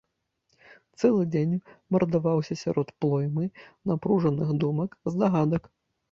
Цэлы дзень мардаваўся сярод плоймы напружаных думак, здагадак.